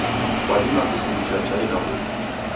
Kwadima kusingisha chai na w'uki.